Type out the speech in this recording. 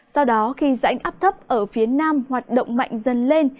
sau đó khi rãnh áp thấp ở phía nam hoạt động mạnh dần lên